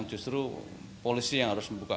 justru polisi yang harus membuka